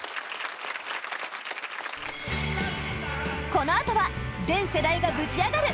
このあとは全世代がぶちアガる！